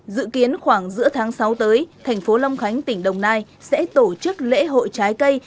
dự kiến khoảng giữa tháng sáu tới thành phố long khánh tỉnh đồng nai sẽ tổ chức lễ hội trái cây